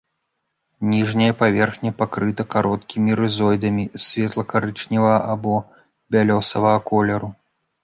Ніжняя паверхня пакрыта кароткімі рызоідамі, светла-карычневага або бялёсага колеру.